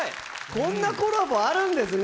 こんなコラボあるんですね。